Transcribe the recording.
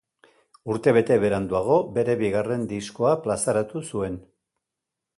Urte bete beranduago, bere bigarren diskoa plazaratu zuen.